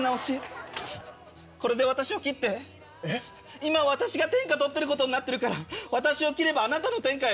今私が天下取ってることになってるから私を切ればあなたの天下よ。